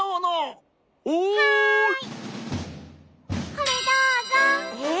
これどうぞ。えっ？